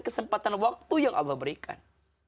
kekuatan waktu yang allah memberikan